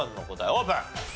オープン。